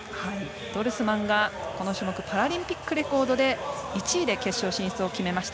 ドルスマンがこの種目パラリンピックレコードで１位で決勝進出を決めました。